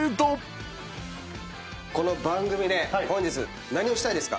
この番組で本日何をしたいですか？